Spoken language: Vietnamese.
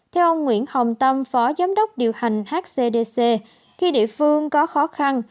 theo ông nguyễn hồng tâm phó giám đốc điều hành hcdc khi địa phương có khó khăn